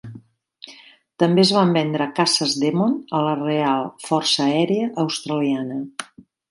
També es van vendre caces Demon a la Real Força Aèria Australiana.